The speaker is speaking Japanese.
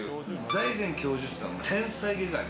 財前教授といったら天才外科医。